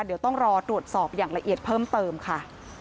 เดี๋ยวต้องรอตรวจสอบอย่างละเอียดเพิ่มเติมค่ะ